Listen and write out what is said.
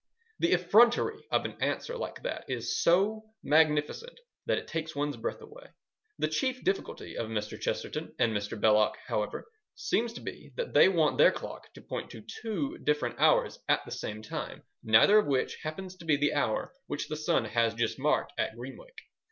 The effrontery of an answer like that is so magnificent that it takes one's breath away. The chief difficulty of Mr. Chesterton and Mr. Belloc, however, seems to be that they want their clock to point to two different hours at the same time, neither of which happens to be the hour which the sun has just marked at Greenwich.